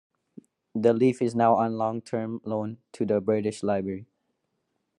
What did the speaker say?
The leaf is now on long-term loan to the British Library.